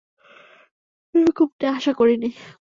এরকমটা আশা করিনি!